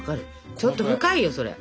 ちょっと深いよそれ。